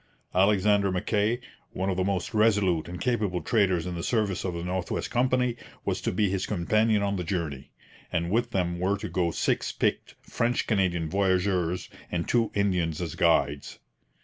Alexander Mackay, one of the most resolute and capable traders in the service of the North West Company, was to be his companion on the journey; and with them were to go six picked French Canadian voyageurs and two Indians as guides.